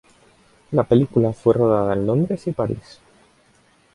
La película fue rodada en Londres y París.